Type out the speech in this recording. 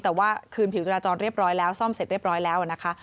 แต่ว่าคืนผิวจราจรเรียบร้อยแล้วซ่อมเสร็จเรียบร้อยแล้วนะคะ